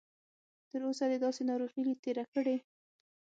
تر اوسه دې داسې ناروغي تېره کړې؟